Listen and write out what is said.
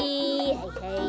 はいはい。